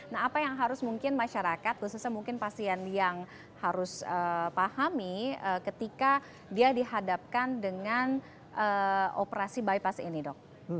nah apa yang harus mungkin masyarakat khususnya mungkin pasien yang harus pahami ketika dia dihadapkan dengan operasi bypass ini dok